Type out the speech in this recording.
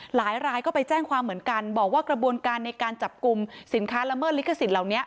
หลายรายก็ไปแจ้งความเหมือนกันบอกว่ากระบวนการในการจับกลุ่มสินค้าละเมิดลิขสิทธิเหล่านี้